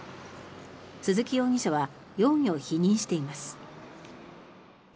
鈴木容疑者は容疑を否認しています。